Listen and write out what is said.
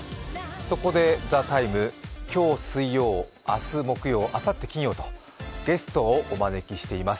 そこで、「ＴＨＥＴＩＭＥ，」、今日水曜、明日木曜あさって金曜とゲストをお招きしています。